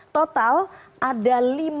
total ada lima puluh lima